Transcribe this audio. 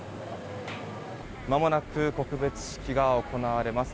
まもなく告別式が行われます。